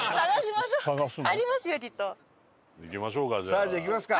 さあじゃあ行きますか。